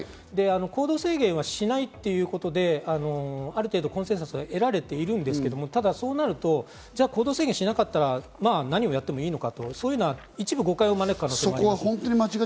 行動制限はしないということで、ある程度コンセンサスが得られているんですけど、ただそうなると行動制限しなかったら何をやってもいいのかという一部誤解を招く可能性があります。